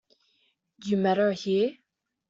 You met her here?